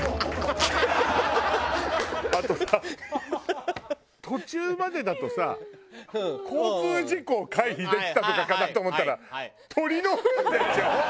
あとさ途中までだとさ交通事故を回避できたとかかなと思ったら。